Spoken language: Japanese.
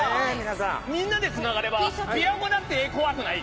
みんなでつながれば琵琶湖だって怖くない。